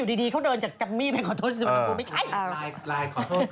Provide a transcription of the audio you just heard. ที่แรกจะโทรไปแล้วก็เปลี่ยนใจ